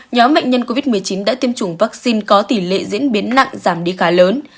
nhóm bệnh nhân covid một mươi chín đã tiêm chủng vaccine có tỷ lệ diễn biến nặng giảm đi khá lớn